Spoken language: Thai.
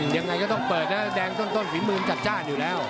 ยังไงก็ต้องเปิดนะแดงต้นฝีมือจัดจ้านอยู่แล้ว